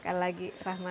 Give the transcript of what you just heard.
sekali lagi rahmat